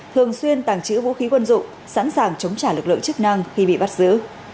thường xuyên tàng trữ vũ khí quân dụng sẵn sàng chống trả lực lượng chức năng khi bị bắt giữ